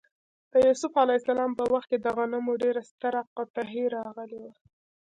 د یوسف ع په وخت کې د غنمو ډېره ستره قحطي راغلې وه.